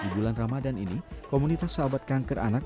di bulan ramadan ini komunitas sahabat kanker anak